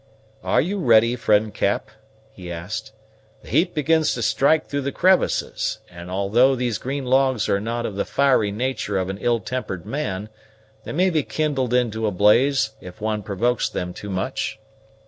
"Are you ready, friend Cap?" he asked. "The heat begins to strike through the crevices; and although these green logs are not of the fiery natur' of an ill tempered man, they may be kindled into a blaze if one provokes them too much.